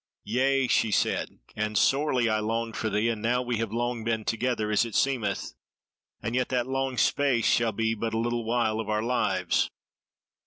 "Yea," she said, "and sorely I longed for thee, and now we have long been together, as it seemeth; and yet that long space shall be but a little while of our lives.